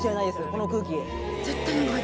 この空気。